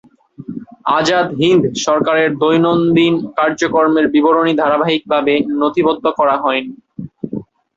আজাদ হিন্দ সরকারের দৈনন্দিন কাজকর্মের বিবরণী ধারাবাহিকভাবে নথিবদ্ধ করা হয়নি।